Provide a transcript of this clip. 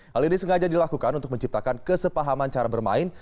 hal ini sengaja dilakukan untuk menciptakan kesepahaman cara bermain